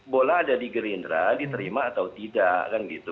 bola ada di gerindra diterima atau tidak kan gitu